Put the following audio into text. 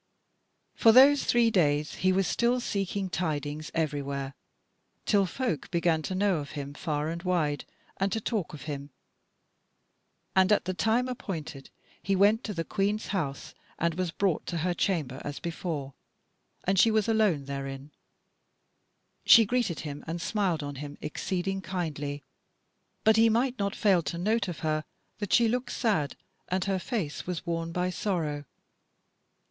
For those three days he was still seeking tidings everywhere, till folk began to know of him far and wide, and to talk of him. And at the time appointed he went to the Queen's House and was brought to her chamber as before, and she was alone therein. She greeted him and smiled on him exceeding kindly, but he might not fail to note of her that she looked sad and her face was worn by sorrow.